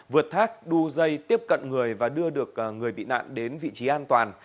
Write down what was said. vượt thác đu dây tiếp cận người và đưa được người bị nạn đến vị trí an toàn